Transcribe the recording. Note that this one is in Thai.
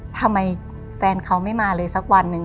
ทำไมแฟนเขาไม่มาเลยสักวันหนึ่ง